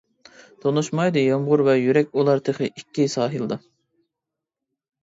تونۇشمايدۇ يامغۇر ۋە يۈرەك ئۇلار تېخى ئىككى ساھىلدا.